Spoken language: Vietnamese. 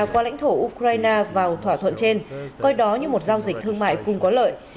qua lãnh thổ ukraine vào thỏa thuận trên coi đó như một giao dịch thương mại cùng có lợi